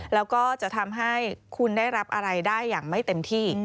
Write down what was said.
แล้วก็จะทำให้คุณได้รับอะไรได้อย่างไม่เต็มที่